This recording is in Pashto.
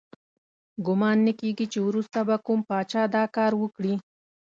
ګمان نه کیږي چې وروسته به کوم پاچا دا کار وکړي.